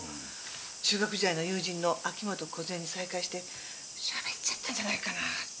中学時代の友人の秋本梢に再会して喋っちゃったんじゃないかなって。